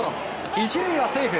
１塁はセーフ。